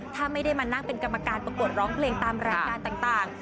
ถ้าไม่ได้มานั่งเป็นกรรมการประกวดร้องเพลงตามรายการต่าง